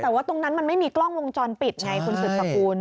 แต่ตรงนั้นมันไม่มีกล้องวงจรปิดไงทุนศึกประโคล